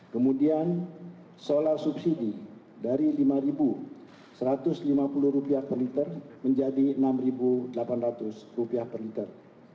kemudian solar subsidi dari rp lima satu ratus lima puluh per liter menjadi rp enam delapan ratus per liter